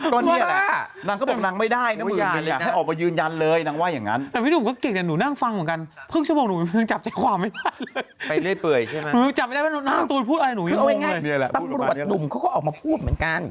การแกตูนพูดหยาบเลยเนี่ยแหละพูดหวัดนิดหนึ่งครับปรับบรรวจหนุ่มเขาก็ออกมาพูดเหมือนกัน